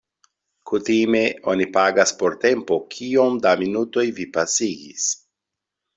Kutime oni pagas por tempo kiom da minutoj vi pasigis.